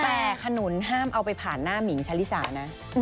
แต่ขนุนห้ามเอาไปผ่านหน้าหมิงชะลิสานะ